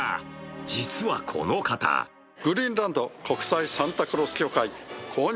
実はこの方グリーンランド国際サンタクロース協会公認